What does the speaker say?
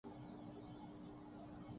چمن اور بھی آشیاں اور بھی ہیں